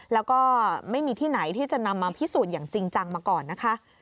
แล้วก็ไม่มีที่ไหนที่จะนำมาพิสูจน์อย่างจริงจังมาก่อนนะคะ